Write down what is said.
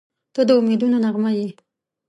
• ته د امیدونو نغمه یې.